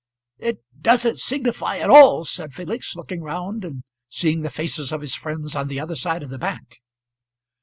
"It doesn't signify at all," said Felix, looking round and seeing the faces of his friends on the other side of the bank.